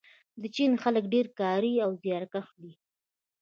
د چین خلک ډیر کاري او زیارکښ دي.